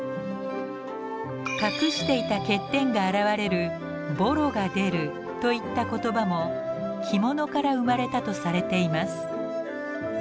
隠していた欠点が現れる「ぼろが出る」といった言葉も着物から生まれたとされています。